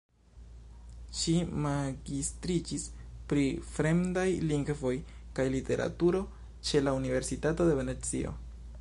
Ŝi magistriĝis pri Fremdaj lingvoj kaj Literaturo ĉe la Universitato de Venecio.